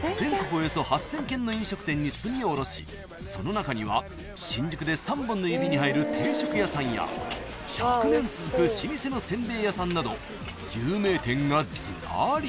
およそ８，０００軒の飲食店に炭を卸しその中には新宿で三本の指に入る定食屋さんや１００年続く老舗の煎餅屋さんなど有名店がずらり］